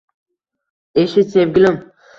Eshit, sevgilim::